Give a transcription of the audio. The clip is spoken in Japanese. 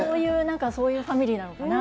そういうファミリーなのかな